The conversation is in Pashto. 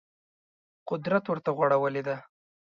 قدرت ورته غوړولې ده